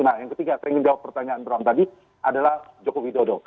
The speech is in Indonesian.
nah yang ketiga terima kasih jawab pertanyaan bram tadi adalah jokowi dodo